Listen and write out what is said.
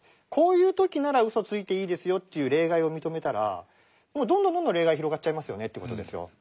「こういう時ならうそついていいですよ」という例外を認めたらどんどんどんどん例外広がっちゃいますよねという事ですよ。